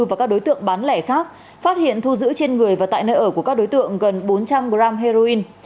và các đối tượng bán lẻ khác phát hiện thu giữ trên người và tại nơi ở của các đối tượng gần bốn trăm linh g heroin